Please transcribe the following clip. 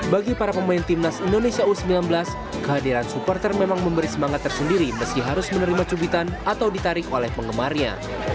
bagi para pemain timnas indonesia u sembilan belas kehadiran supporter memang memberi semangat tersendiri meski harus menerima cubitan atau ditarik oleh penggemarnya